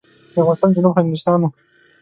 د افغانستان جنوب هندوستان و.